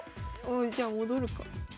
じゃあ戻るか。